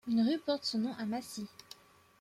Une rue porte son nom à Massy.